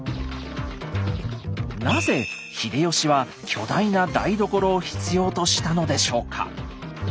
なぜ秀吉は巨大な台所を必要としたのでしょうか。